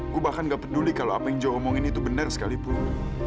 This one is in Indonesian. gue bahkan gak peduli kalau apa yang jo omongin itu bener sekalipun